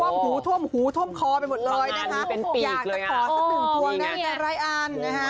ท่วมหูท่วมหูท่วมคอไปหมดเลยนะคะอยากจะขอสักหนึ่งความนะฮะไรอัน